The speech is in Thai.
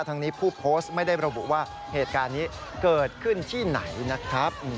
ทั้งนี้ผู้โพสต์ไม่ได้ระบุว่าเหตุการณ์นี้เกิดขึ้นที่ไหนนะครับ